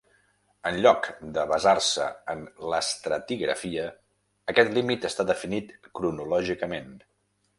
En lloc de basar-se en l'estratigrafia, aquest límit està definit cronològicament.